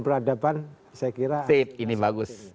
peradaban saya kira